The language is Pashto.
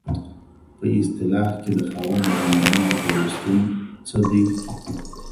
په اصطلاح کې د خاوند او ميرمنې پیوستون څه دی؟